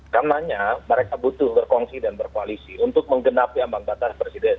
karena mereka butuh berkongsi dan berkoalisi untuk menggenapi ambang batas presiden